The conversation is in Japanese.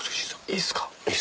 いいですか？